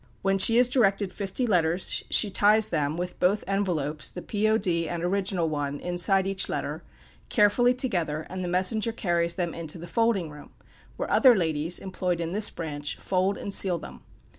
When she has directed fifty letters, she ties them (with both envelopes the "P. O. D." and original one inside each letter) carefully together, and the messenger carries them into the folding room, where other ladies, employed in this branch, fold and seal them.